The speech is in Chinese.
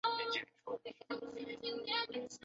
昙摩难提人。